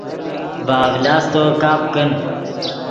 ڤے اڤلاستو کپ کن